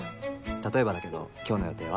例えばだけど今日の予定は？